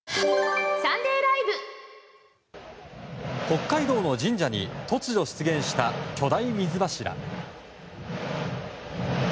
北海道の神社に突如出現した巨大水柱。